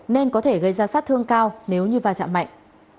nên có thể gây ra sát thương cao nếu như va chạm mạnh